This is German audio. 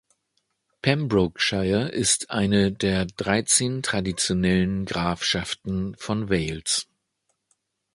Pembrokeshire ist eine der dreizehn traditionellen Grafschaften von Wales.